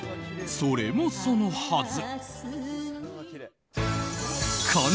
それもそのはず。